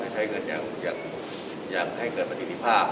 ใช้เงินอย่างให้เกิดประสิทธิภาพ